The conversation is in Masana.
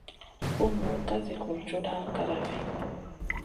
Bunu ka zi gurjuda kalavi.